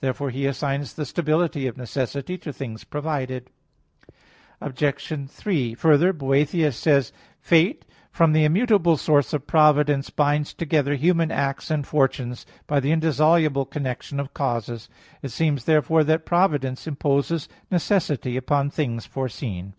Therefore He assigns the stability of necessity to things provided. Obj. 3: Further, Boethius says (De Consol. iv, 6): "Fate from the immutable source of providence binds together human acts and fortunes by the indissoluble connection of causes." It seems therefore that providence imposes necessity upon things foreseen.